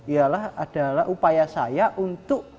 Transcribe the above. ialah adalah upaya saya untuk